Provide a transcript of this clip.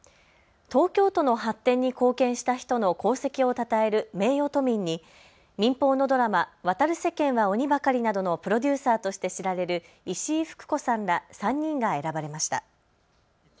東京都の発展に貢献した人の功績をたたえる名誉都民に民放のドラマ、渡る世間は鬼ばかりなどのプロデューサーとして知られる石井ふく子さんら３人が選ばれました。